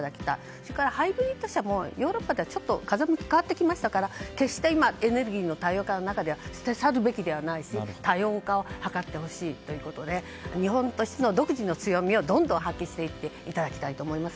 それからハイブリッド車もヨーロッパでは風向き変わってきましたから決して今、エネルギーの多様化の中では捨て去るべきではないし多様化を図ってほしいということで、日本としての独自の強みをどんどん発揮していっていただきたいと思います。